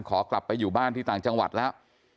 ขอกลับไปอยู่บ้านที่ต่างจังหวัดแล้ว